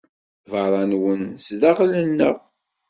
Beṛṛa nnwen, zdaxel nneɣ.